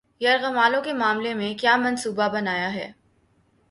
یرغمالوں کے معاملے میں کیا منصوبہ بنایا ہے